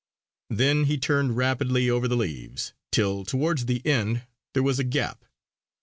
Then he turned rapidly over the leaves, till towards the end there was a gap.